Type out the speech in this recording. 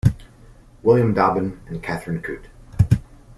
William Dobbin and Catherine Coote.